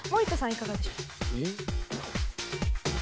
いかがでしょう？